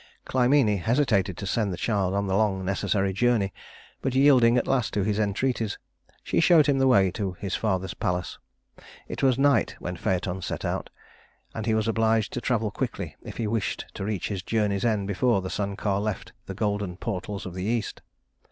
Clymene hesitated to send the child on the long necessary journey, but yielding at last to his entreaties, she showed him the way to his father's palace. It was night when Phaëton set out, and he was obliged to travel quickly if he wished to reach his journey's end before the sun car left the golden portals of the east.